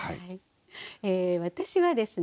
え私はですね